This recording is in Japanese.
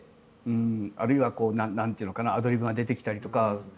あるいは何ていうのかなアドリブが出てきたりとか。